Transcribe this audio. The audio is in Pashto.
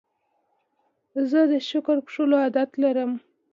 زه د شکر کښلو عادت لرم.